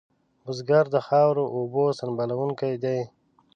بزګر د خاورو اوبو سنبالونکی دی